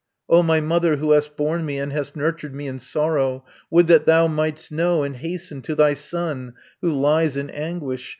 "O my mother who hast borne me, And hast nurtured me in sorrow, Would that thou might'st know, and hasten To thy son, who lies in anguish.